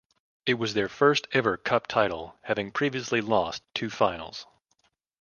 It was their first ever cup title having previously lost two finals.